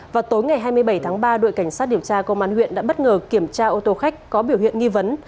vào tối ngày hai mươi bảy tháng ba đội cảnh sát điều tra công an huyện đã bất ngờ kiểm tra ô tô khách có biểu hiện nghi vấn